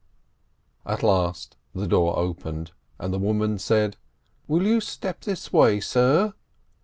At last the door opened, and the woman said: "Will you step this way, sir?"